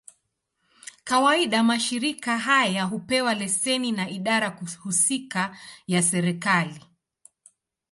Kawaida, mashirika haya hupewa leseni na idara husika ya serikali.